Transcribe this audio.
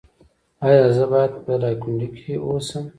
ایا زه باید په دایکندی کې اوسم؟